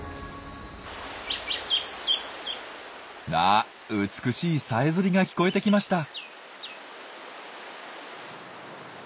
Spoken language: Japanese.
あ美しいさえずりが聞こえてきました。